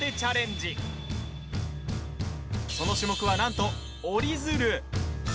その種目は、なんと折り鶴。